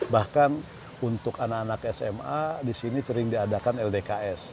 bahkan untuk anak anak sma di sini sering diadakan ldks